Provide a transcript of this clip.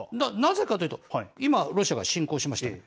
なぜかというと今、ロシアが侵攻しました。